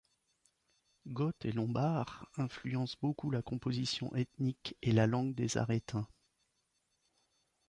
Goths et Lombards influencent beaucoup la composition ethnique et la langue des Arétins.